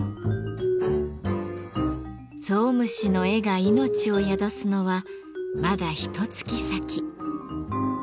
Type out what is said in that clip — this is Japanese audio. ゾウムシの絵が命を宿すのはまだひとつき先。